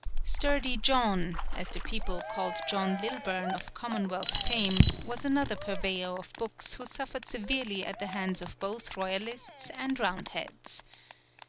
[Footnote: Cf. page 129.] "Sturdy John," as the people called John Lilburne of Commonwealth fame, was another purveyor of books who suffered severely at the hands of both Royalists and Roundheads.